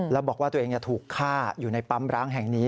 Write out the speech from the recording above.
แล้วบอกว่าตัวเองถูกฆ่าอยู่ในปั๊มร้างแห่งนี้